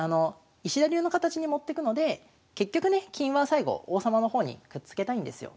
石田流の形に持ってくので結局ね金は最後王様の方にくっつけたいんですよ。